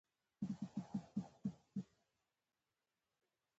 وزې د شیدو د تولېدو ماشین دی